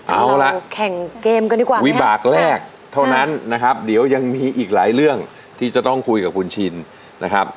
เอาละวิบากแรกเท่านั้นนะครับเดี๋ยวยังมีอีกหลายเรื่องที่จะต้องคุยกับคุณชินนะครับ